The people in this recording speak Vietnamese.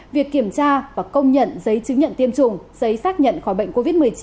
việc kiểm tra và công nhận giấy chứng nhận tiêm chủng giấy xác nhận khỏi bệnh covid một mươi chín